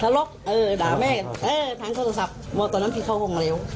ทะเลาะด่าแม่กันทางโทรศัพท์ตอนนั้นพี่เข้าห้องเร็ว